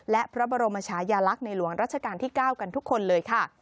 และพระบรมชายาลักษณ์ในหลวงรัชกาลที่๙กันทุกคนเลยค่ะ